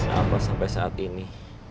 sama sampai saat ini